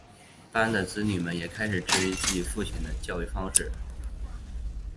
班的子女们也开始质疑自己的父亲与他的育儿技巧。